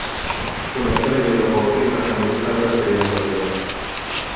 خو له خپلې بې تفاوتۍ څخه مې وساته چې ډېره بده ده.